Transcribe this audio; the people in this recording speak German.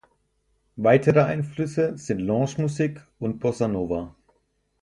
Weitere Einflüsse sind Lounge-Musik und Bossa Nova.